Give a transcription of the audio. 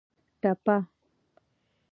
ټپه